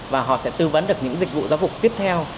và họ sẽ tư vấn được những dịch vụ giáo dục tiếp theo